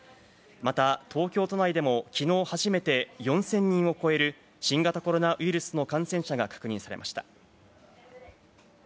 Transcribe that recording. また、東京都内でも昨日初めて４０００人を超える、新型コロナウイルスの感染者が確認されました。